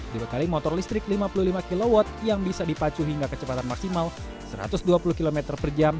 dibekali motor listrik lima puluh lima kw yang bisa dipacu hingga kecepatan maksimal satu ratus dua puluh km per jam